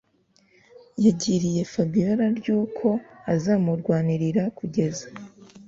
yagiriye fabiora ryuko azamugwanirira kugeza